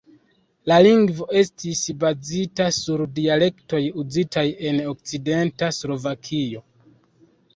La lingvo estis bazita sur dialektoj uzitaj en okcidenta Slovakio.